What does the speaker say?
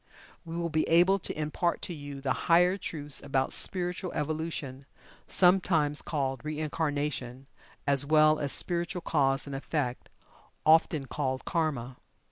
We will be able to impart to you the higher truths about Spiritual Evolution, sometimes called "Reincarnation," as well as Spiritual Cause and Effect, often called "Karma."